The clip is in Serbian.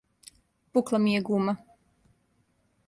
Пукла ми је гума.